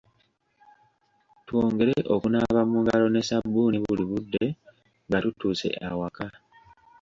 Twongere okunaaba mu ngalo ne sabbuuni buli budde nga tutuuse awaka.